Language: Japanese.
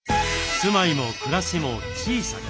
住まいも暮らしも小さく。